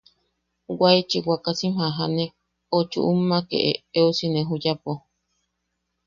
Waechi wakasim jajane, o chuʼummake eʼeusine juyapo.